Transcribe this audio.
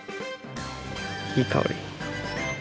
いい香り。